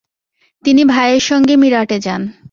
তিনি ভাইয়ের সঙ্গে মীরাটে যান।